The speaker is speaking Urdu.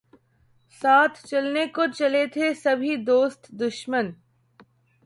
ساتھ چلنے کو چلے تھے سبھی دوست دشمن